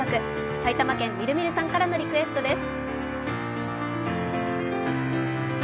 埼玉県、みるみるさんからのリクエストです。